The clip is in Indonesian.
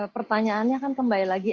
pertanyaannya kan kembali lagi